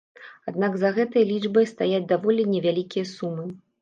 Аднак за гэтай лічбай стаяць даволі невялікія сумы.